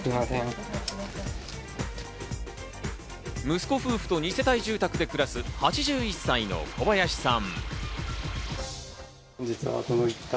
息子夫婦と二世帯住宅で暮らす、８１歳の小林さん。